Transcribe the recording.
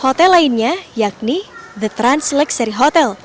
hotel lainnya yakni the transluxury hotel